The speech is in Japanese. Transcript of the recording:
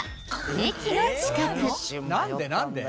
駅の近く